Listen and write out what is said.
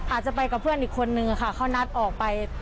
อาจจะไปกับเพื่อนอีกคนนึงค่ะเขานัดออกไป